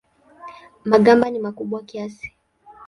Magamba ni makubwa kiasi.